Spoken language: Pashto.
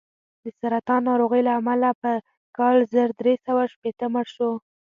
د سرطان ناروغۍ له امله په کال زر درې سوه شپېته مړ شو.